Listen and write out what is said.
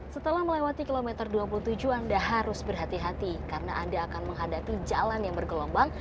setelah melewati kilometer dua puluh tujuh anda harus berhati hati karena anda akan menghadapi jalan yang bergelombang